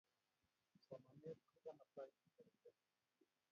Somanet kokanaptoi eng seretet